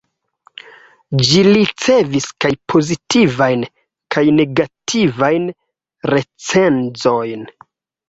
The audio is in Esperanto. Ĝi ricevis kaj pozitivajn kaj negativajn recenzojn.